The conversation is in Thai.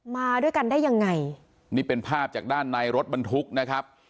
มาด้วยกันได้ยังไงนี่เป็นภาพจากด้านในรถบรรทุกนะครับ